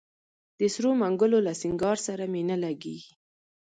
د سرو منګولو له سینګار سره مي نه لګیږي